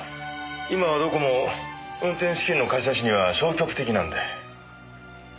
今はどこも運転資金の貸し出しには消極的なんで。